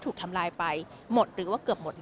แต่เสียหายไปถึงบุคคลที่ไม่เกี่ยวข้องด้วย